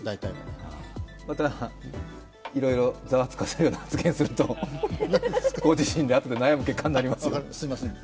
またいろいろざわつかせるような発言をすると、ご自身であとで悩む結果になりますよ。